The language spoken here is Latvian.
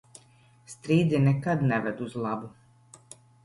Strīdi nekad neved uz labu.